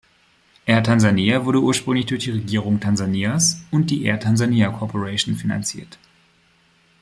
Air Tanzania wurde ursprünglich durch die Regierung Tansanias und die "Air Tanzania Corporation" finanziert.